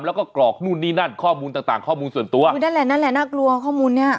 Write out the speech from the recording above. แล้วก็กรอกนู่นนี่นั่นข้อมูลต่างต่างข้อมูลส่วนตัวคือนั่นแหละนั่นแหละน่ากลัวข้อมูลเนี้ย